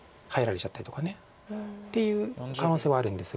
っていう可能性はあるんですが。